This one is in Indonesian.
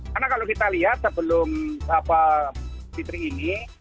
karena kalau kita lihat sebelum fitri ini